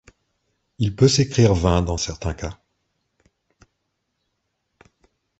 Il peut s'écrire vingts dans certains cas.